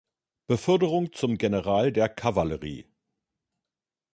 Beförderung zum General der Kavallerie.